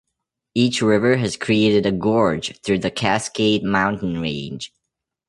Each river has created a gorge through the Cascade Mountain Range.